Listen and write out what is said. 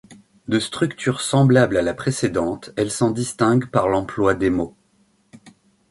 De structure semblable à la précédente, elle s'en distingue par l'emploi d'émaux.